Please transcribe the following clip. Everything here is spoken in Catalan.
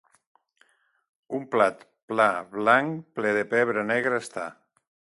un plat pla blanc ple de pebre negre està